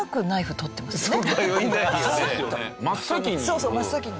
そうそう真っ先に。